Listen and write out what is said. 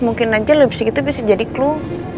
mungkin aja lobby itu bisa jadi clue